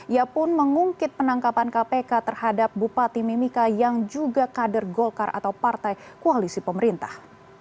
ia pun mengungkit penangkapan kpk terhadap bupati mimika yang juga kader golkar atau partai koalisi pemerintah